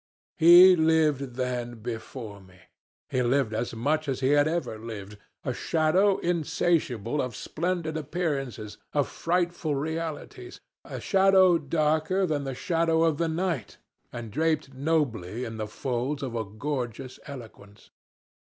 He lived then before me; he lived as much as he had ever lived a shadow insatiable of splendid appearances, of frightful realities; a shadow darker than the shadow of the night, and draped nobly in the folds of a gorgeous eloquence.